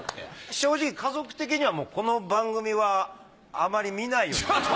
正直家族的にはもうこの番組はあまり見ないように。